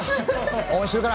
応援してるから！